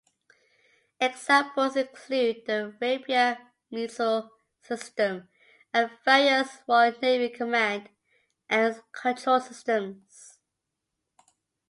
Examples include the Rapier missile system, and various Royal Navy Command and Control Systems.